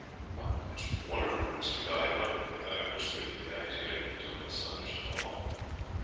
"It is wonderful, Master Guy!" Robert Picard whispered in Guy's ear in a tone of astonished awe.